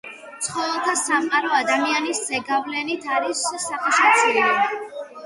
ცხოველთა სამყარო ადამიანის ზეგავლენით არის სახეშეცვლილი.